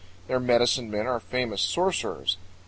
Their medicine men are famous sorcerers.